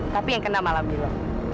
tapi yang kena malah milo